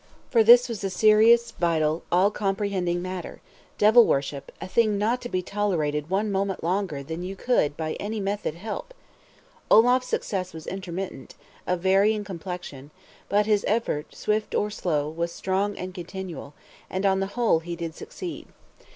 For this was a serious, vital, all comprehending matter; devil worship, a thing not to be tolerated one moment longer than you could by any method help! Olaf's success was intermittent, of varying complexion; but his effort, swift or slow, was strong and continual; and on the whole he did succeed.